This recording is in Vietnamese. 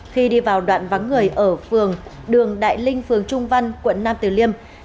khi đi vào đoạn vắng người ở phường đường đại linh phường trung văn quận nam tử liêm